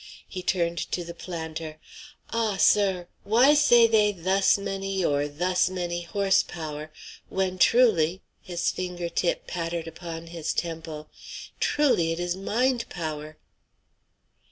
He turned to the planter "Ah! sir, why say they thus many or thus many horse power, when truly" his finger tip pattered upon his temple "truly it is mind power!"